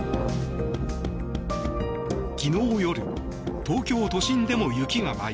昨日夜東京都心でも雪が舞い